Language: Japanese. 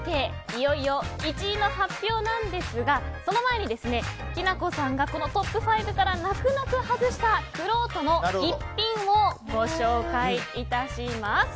いよいよ、１位の発表なんですがその前にきな子さんがトップ５から泣く泣く外したくろうとの逸品をご紹介致します。